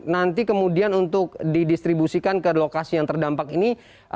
nanti kemudian untuk didistribusikan ke lokasi yang terdampak ini